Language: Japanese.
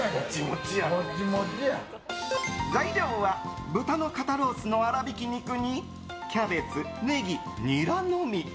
材料は豚の肩ロースの粗びき肉にキャベツ、ネギ、ニラのみ。